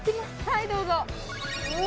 はいどうぞ！